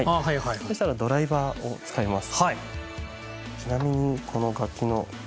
そしたらドライバーを使います。